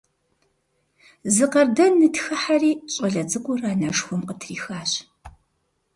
Зы къардэн нытхыхьэри, щӀалэ цӀыкӀур анэшхуэм къытрихащ.